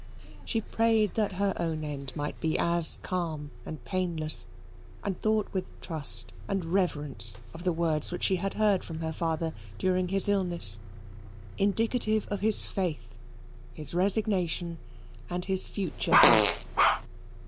She prayed that her own end might be as calm and painless, and thought with trust and reverence of the words which she had heard from her father during his illness, indicative of his faith, his resignation, and his future hope.